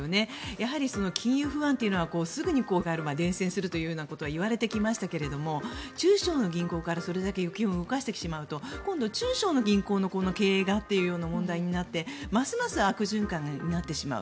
やはり金融不安というのはすぐに広がる伝染するということがいわれてきましたけれど中小の銀行からそれだけ預金を動かしてしまうと今度、中小の銀行の経営がという問題になってますます悪循環になってしまう。